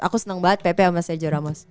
aku seneng banget pepe sama sergio ramos